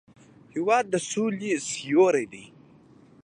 هېواد د سولې سیوری دی.